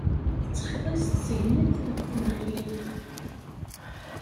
Tettxiḍi s tsegnit d tnelli.